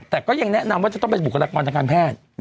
แต่ก็ยังแนะนำมันบุคลากรทางการแพทย์